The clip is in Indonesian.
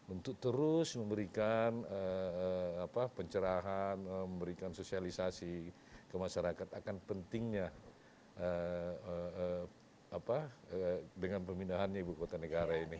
untuk terus memberikan pencerahan memberikan sosialisasi ke masyarakat akan pentingnya dengan pemindahannya ibu kota negara ini